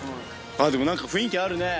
何か雰囲気あるね！